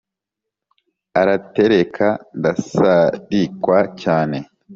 aratereka ndasarikwa cyane